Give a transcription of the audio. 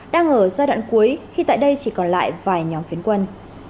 đang ở giai đoạn cuối khi tại đây chỉ còn lại vài nhóm phiến quân